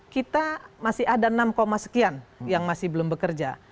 kita masih ada enam sekian yang masih belum bekerja